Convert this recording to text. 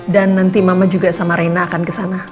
dan nanti mama juga sama reina akan kesana